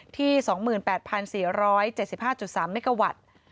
ที่๒๘๔๗๕๓เมกาวัตต์